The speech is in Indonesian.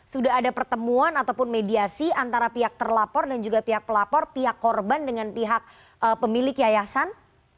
sudah ada pertemuan ataupun mediasi antara pihak terlapor dan juga pihak pelapor pihak korban dengan pihak pemilik yayasan